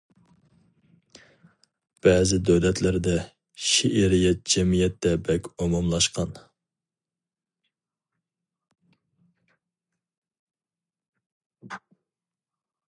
بەزى دۆلەتلەردە شېئىرىيەت جەمئىيەتتە بەك ئومۇملاشقان.